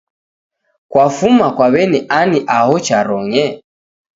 Kwafuma kwa weni ani aho cha Rong'e